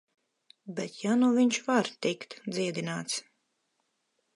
Bet ja nu viņš var tikt dziedināts...